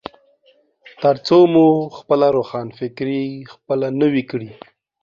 ترڅو مو خپله روښانفکري خپله نه وي کړي.